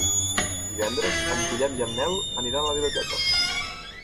Divendres en Guillem i en Nel aniran a la biblioteca.